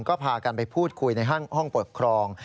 ก็พากันไปพูดคุยในห้องปกครอง